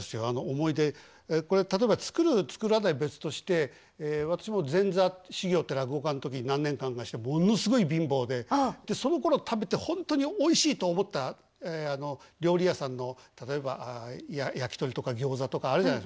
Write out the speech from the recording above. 思い出これ例えば作る作らないは別として私も前座修業って落語家の時何年間かしてものすごい貧乏でそのころ食べて本当においしいと思った料理屋さんの例えば焼き鳥とかギョーザとかあるじゃない。